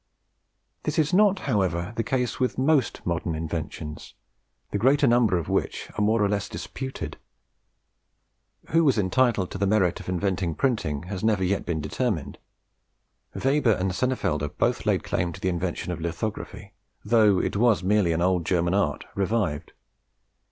This is not, however, the case with most modern inventions, the greater number of which are more or less disputed. Who was entitled to the merit of inventing printing has never yet been determined. Weber and Senefelder both laid claim to the invention of lithography, though it was merely an old German art revived.